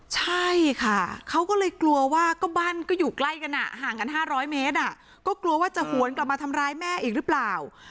ใช่ค่ะเขาก็เลยกลัวว่าก็บ้านก็อยู่ใกล้กันห่างกัน๕๐๐เมตรก็กลัวว่าจะหวนกลับมาทำร้ายแม่อีกหรือเปล่า